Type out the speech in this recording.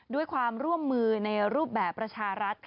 ด้วยความร่วมมือในรูปแบบประชารัฐ